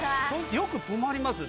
よく止まりますね